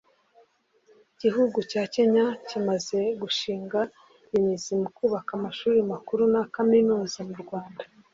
igihugu cya kenya kimaze gushinga imizi mu kubaka amashuri makuru na kaminuza mu rwanda